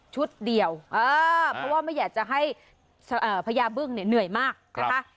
เดียวเพราะว่าไม่อยากจะให้พญาบึ้งเนี่ยเหนื่อยมากนะคะ